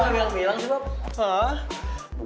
gak ada yang bilang sih bob